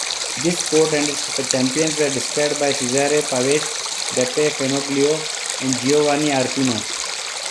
This sport and its champions were described by Cesare Pavese, Beppe Fenoglio, Giovanni Arpino.